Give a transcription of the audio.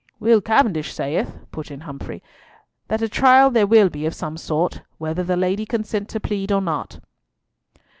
"Will Cavendish saith," put in Humfrey, "that a trial there will be of some sort, whether the Lady consent to plead or not."